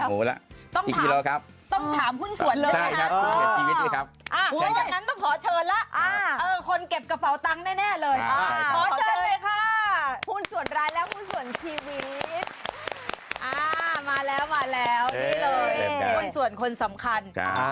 ก่อนที่จะมีกระแสกับหลังที่ยอดขาย